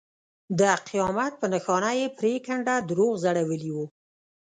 د قیامت په نښانه یې پرېکنده دروغ ځړولي وو.